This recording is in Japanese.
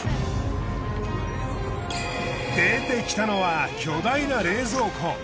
出てきたのは巨大な冷蔵庫。